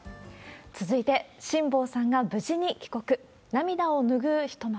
続いて、辛坊さんが無事に帰国。